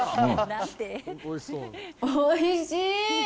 おいしい！